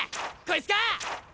こいつか？